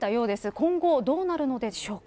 今後、どうなるのでしょうか。